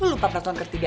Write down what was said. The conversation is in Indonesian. lo lupa peraturan ketiga